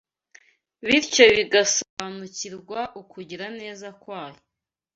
bityo bigasobanukirwa ukugira neza kwayo